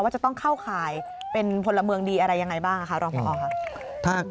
จะต้องเข้าข่ายเป็นพลเมืองดีอะไรยังไงบ้างค่ะรองพอค่ะ